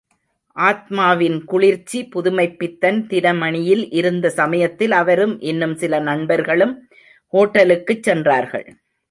ஆத்மாவின் குளிர்ச்சி புதுமைத்பித்தன் தினமணியில் இருந்த சமயத்தில் அவரும் இன்னும் சில நண்பர்களும் ஹோட்டலுக்குச் சென்றார்கள்.